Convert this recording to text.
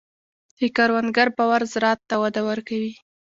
د کروندګر باور زراعت ته وده ورکوي.